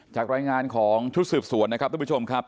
จากรายงานของชุดสืบสวนนะครับทุกผู้ชมครับ